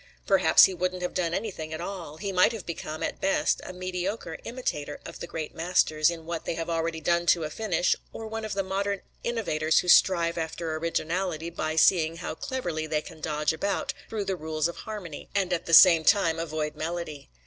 Perhaps he wouldn't have done anything at all; he might have become, at best, a mediocre imitator of the great masters in what they have already done to a finish, or one of the modern innovators who strive after originality by seeing how cleverly they can dodge about through the rules of harmony and at the same time avoid melody.